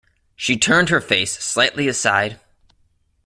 She turned her face slightly aside.